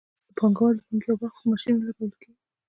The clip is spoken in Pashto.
د پانګوال د پانګې یوه برخه په ماشینونو لګول کېږي